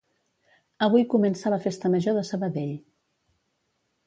Avui comença la festa major de Sabadell